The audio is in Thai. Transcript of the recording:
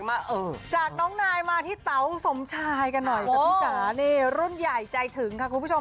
มาจากน้องนายมาที่เต๋าสมชายกันหน่อยจ้ะพี่จ๋านี่รุ่นใหญ่ใจถึงค่ะคุณผู้ชม